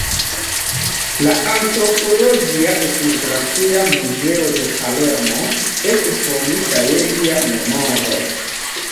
La Antropologia Etnografia Muzeo de Palermo estis fondita je lia memoro.